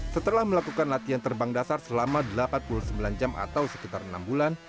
setelah melakukan latihan terbang dasar selama delapan puluh sembilan jam atau sekitar enam bulan